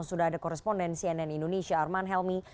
sudah ada koresponden cnn indonesia arman helmi